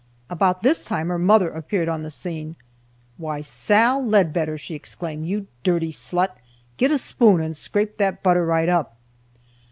About this time her mother appeared on the scene. "Why, Sal Leadbetter!" she exclaimed, "you dirty slut! Git a spoon and scrape that butter right up!"